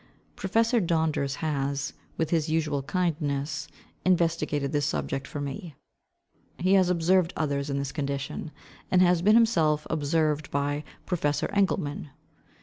Professor Donders has, with his usual kindness, investigated this subject for me. He has observed others in this condition, and has been himself observed by Professor Engelmann.